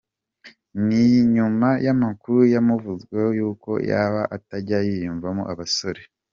Ni nyuma y’amakuru yamuvuzweho y’uko yaba atajya yiyumvamo abasore.